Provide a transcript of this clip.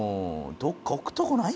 どっか置くとこないんかい？